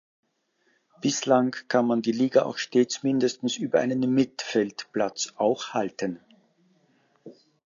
Bislang kann man die Liga auch stets mindestens über einen Mittfeldplatz auch halten.